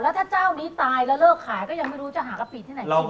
ถ้าเจ้านี้ตายแล้วเลิกขายก็ยังไม่รู้จะหากะปิที่ไหนกิน